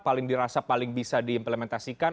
paling dirasa paling bisa diimplementasikan